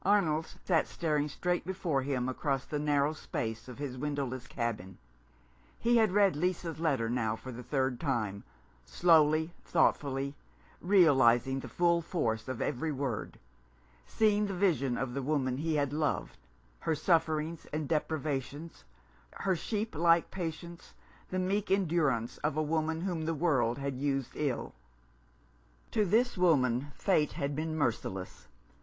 Arnold sat staring straight before him across the narrow space of his windowless cabin. He had read Lisa's letter now for the third time, slowly, thoughtfully, realizing the full force of every word ; seeing the vision of the woman he had loved, her sufferings and deprivations, her sheep like patience, the meek endurance of a woman whom the world had used ill. To this woman Fate had been merciless.